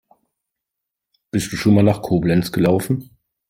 Bist du schon mal nach Koblenz gelaufen?